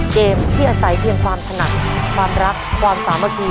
เกมที่อาศัยเพียงความถนัดความรักความสามัคคี